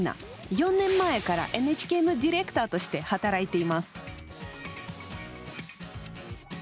４年前からＮＨＫのディレクターとして働いています。